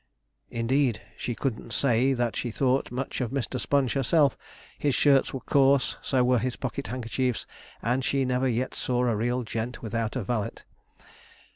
'Indeed, she couldn't say that she thought much of Mr. Sponge herself; his shirts were coarse, so were his pocket handkerchiefs; and she never yet saw a real gent without a valet.'